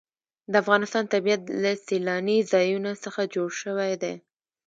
د افغانستان طبیعت له سیلانی ځایونه څخه جوړ شوی دی.